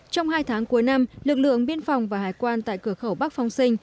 trong hai tháng cuối năm lực lượng biên phòng và hải quan tại cửa khẩu bắc phong sinh